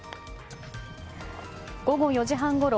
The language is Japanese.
午後４時半ごろ